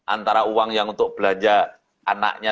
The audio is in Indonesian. antara uang yang untuk belanja anaknya